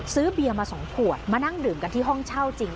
เบียร์มา๒ขวดมานั่งดื่มกันที่ห้องเช่าจริง